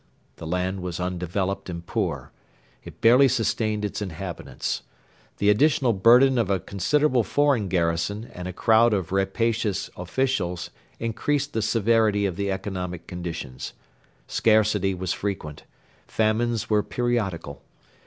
The land was undeveloped and poor. It barely sustained its inhabitants. The additional burden of a considerable foreign garrison and a crowd of rapacious officials increased the severity of the economic conditions. Scarcity was frequent. Famines were periodical.